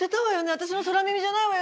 私の空耳じゃないわよね？